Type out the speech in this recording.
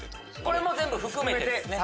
これも全部含めてですね。